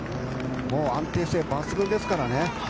安定性抜群ですからね。